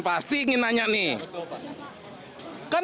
saya ingin bertanya